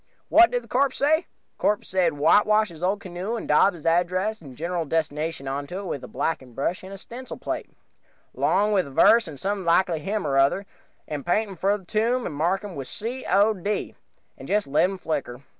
What did corpse say? "Corpse said, whitewash his old canoe and dob his address and general destination onto it with a blacking brush and a stencil plate, 'long with a verse from some likely hymn or other, and pint him for the tomb, and mark him C. O. D., and just let him flicker.